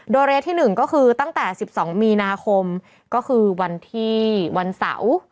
โดยระยะที่๑ก็คือตั้งแต่๑๒มีนาคมก็คือวันที่วันเสาร์